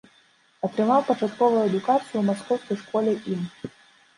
Атрымаў пачатковую адукацыю ў маскоўскай школе ім.